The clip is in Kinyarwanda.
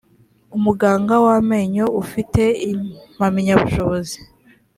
umuganga w amenyo ufite impamyabushobozi